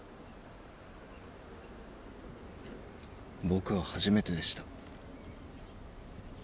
僕は初めてでした。